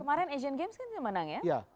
kemarin asian games kan dia menang ya